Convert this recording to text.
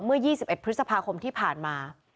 เมื่อ๒๑พฤษภาคมที่ผ่านมา